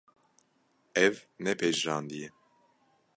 Ev ne pejirandî ye.